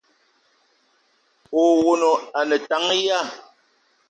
Owono a ne tank ya ?